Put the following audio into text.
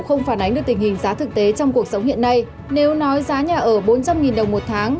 không phản ánh được tình hình giá thực tế trong cuộc sống hiện nay nếu nói giá nhà ở bốn trăm linh đồng một tháng